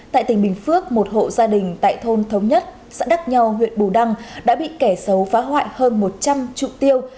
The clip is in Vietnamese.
tại tỉnh bình phước một hộ gia đình tại thôn thống nhất xã đắc nhau huyện bù đăng đã bị kẻ xấu phá hoại hơn một trăm linh trụ tiêu